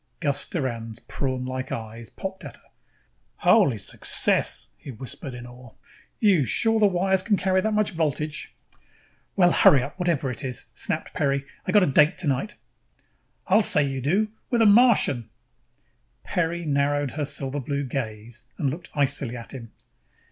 Gus Doran's prawnlike eyes popped at her. "Holy Success," he whispered in awe. "You sure the wires can carry that much voltage?" "Well, hurry up with whatever it is," snapped Peri. "I got a date tonight." "I'll say you do! With a Martian!" Peri narrowed her silver blue gaze and looked icily at him.